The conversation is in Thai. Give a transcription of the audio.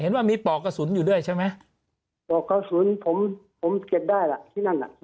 ว่ามีปอกกระสุนอยู่ด้วยใช่ไหมปลอกกระสุนผมผมเก็บได้ล่ะที่นั่นน่ะ